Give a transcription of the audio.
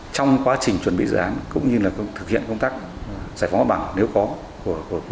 trong quá trình